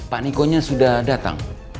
pak nikonya sudah datang